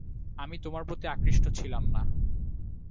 আমি তোমার প্রতি আকৃষ্ট ছিলাম না।